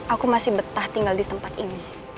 aku masih betah tinggal di tempat ini